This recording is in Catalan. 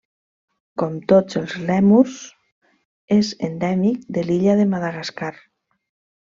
Com tots els lèmurs, és endèmic de l'illa de Madagascar.